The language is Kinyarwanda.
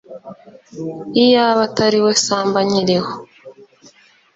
iyaba atari we samba nkiriho